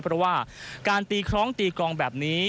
เพราะว่าการตีคล้องตีกองแบบนี้